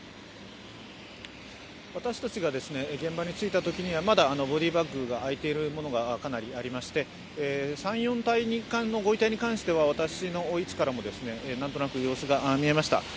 私たちが現場に着いたときには、まだボディーバッグが開いているものがかなりありまして、３４体のご遺体に関しては私の位置からも何となく様子が見えました。